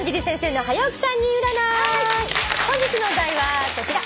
本日のお題はこちら。